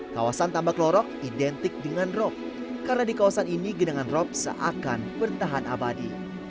kawasan tambak lorok identik dengan rok karena di kawasan ini genangan rop seakan bertahan abadi